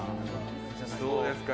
どうですか？